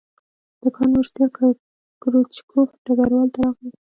د کان مرستیال کروچکوف ډګروال ته راغی